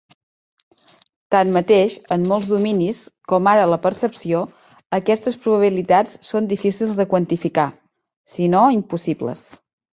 Tanmateix, en molts dominis, com ara la percepció, aquestes probabilitats són difícils de quantificar, sinó impossibles.